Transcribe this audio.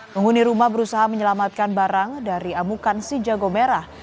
penghuni rumah berusaha menyelamatkan barang dari amukan si jago merah